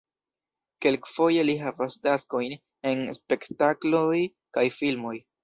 Kelkfoje li havas taskojn en spektakloj kaj filmoj.